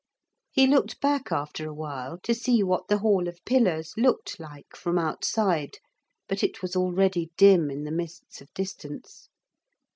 He looked back after a while, to see what the hall of pillars looked like from outside, but it was already dim in the mists of distance.